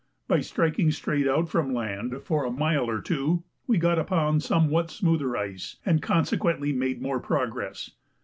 By striking straight out from land for a mile or two, we got upon somewhat smoother ice, and consequently made more progress.